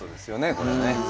これはね。